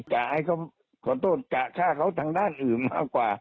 จะให้เขาขอโทษกะฆ่าเขาทางด้านอื่นมากกว่า